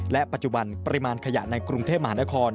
และปัจจุบันปริมาณขยะในกรุงเทพมหานคร